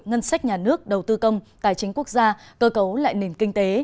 ngân sách nhà nước đầu tư công tài chính quốc gia cơ cấu lại nền kinh tế